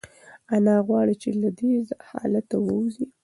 انا غواړي چې له دې حالته ووځي.